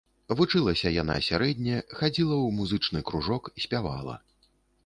Вучылася яна сярэдне, хадзіла ў музычны кружок, спявала.